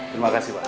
terima kasih pak